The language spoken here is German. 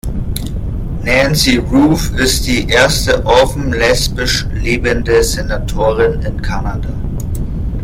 Nancy Ruth ist die erste offen lesbisch lebende Senatorin in Kanada.